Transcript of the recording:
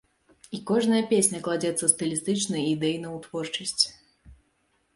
І кожная песня кладзецца стылістычна і ідэйна ў творчасць.